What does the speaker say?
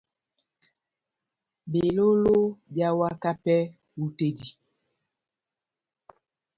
Belóló beháwaka pɛhɛ hú tɛ́h dí.